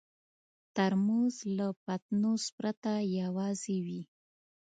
ترموز له پتنوس پرته یوازې وي.